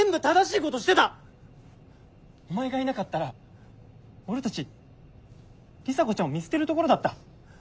お前がいなかったら俺たち里紗子ちゃんを見捨てるところだった。